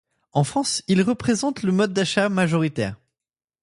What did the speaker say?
En France, il représente le mode d'achat majoritaire.